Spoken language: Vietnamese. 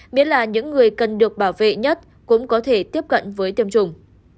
miễn là những người cần được bảo vệ nhất cũng có thể tiếp cận với tiêm chủng